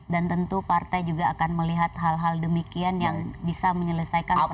dan tentu partai juga akan melihat hal hal demikian yang bisa menyelesaikan persoalan